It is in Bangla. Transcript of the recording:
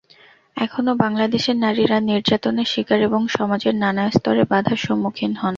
এখনো বাংলাদেশের নারীরা নির্যাতনের শিকার এবং সমাজের নানা স্তরে বাঁধার সম্মুখীন হন।